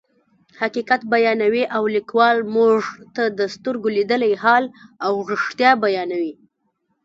حقیقت بیانوي او لیکوال موږ ته د سترګو لیدلی حال او رښتیا بیانوي.